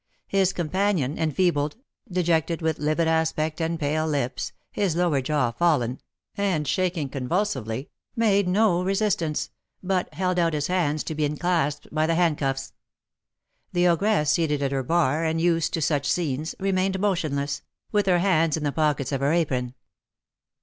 His companion, enfeebled, dejected, with livid aspect and pale lips, his lower jaw fallen, and shaking convulsively, made no resistance, but held out his hands to be enclasped by the handcuffs. The ogress, seated at her bar, and used to such scenes, remained motionless, with her hands in the pockets of her apron.